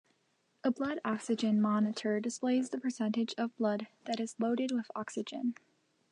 A blood-oxygen monitor displays the percentage of blood that is loaded with oxygen.